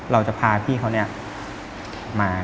เราจะพาพี่เขามา